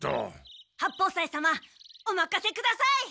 八方斎様おまかせください！